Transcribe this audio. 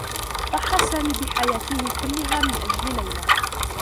ضحّى سامي بحياته كلّها من أجل ليلى.